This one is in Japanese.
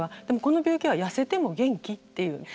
でもこの病気はやせても元気っていう。